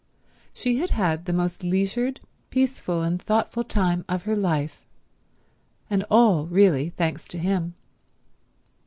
She had had the most leisured, peaceful, and thoughtful time of her life; and all really thanks to him.